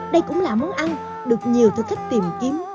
đây cũng là món ăn được nhiều thử thách tìm kiếm